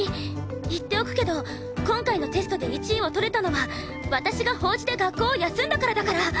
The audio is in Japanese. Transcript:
言っておくけど今回のテストで１位を取れたのは私が法事で学校を休んだからだから！